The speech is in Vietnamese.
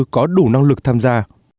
có đủ năng lực tham gia